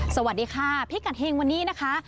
สวัสดีค่ะพิกัดเฮงวันนี้นะคะ